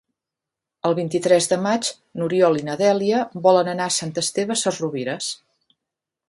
El vint-i-tres de maig n'Oriol i na Dèlia volen anar a Sant Esteve Sesrovires.